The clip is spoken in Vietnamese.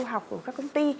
du học của các công ty